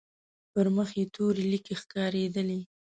پر مخ يې تورې ليکې ښکارېدلې.